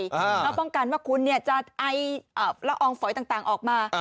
เพราะป้องกันว่าคุณเนี่ยจะไอล้อองฝอยต่างออกมา